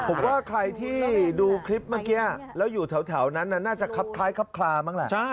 ผมว่าใครที่ดูคลิปเมื่อกี้แล้วอยู่แถวนั้นน่าจะคับคล้ายคับคลามั้งแหละ